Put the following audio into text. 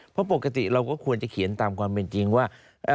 เพราะปกติเราก็ควรจะเขียนตามความเป็นจริงว่า